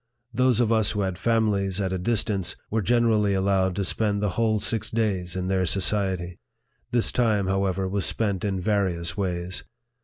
Those of us who had fami lies at a distance, were generally allowed to spend the whole six days in their society. This time, however, was spent in various ways.